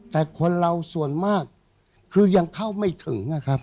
แต่คนเราส่วนมากคือยังเข้าไม่ถึงนะครับ